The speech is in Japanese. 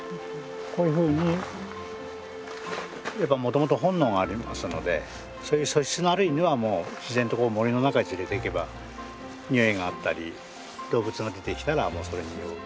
こういうふうにもともと本能がありますのでそういう素質のある犬はもう自然と森の中へつれていけば臭いがあったり動物が出てきたらもうそれ臭う。